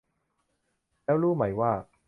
แล้วรู้ไหมว่า